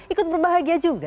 ikut berbahagia juga